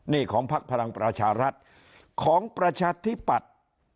นี่ของพักพลังประชารัฐของประชาธิปัตย์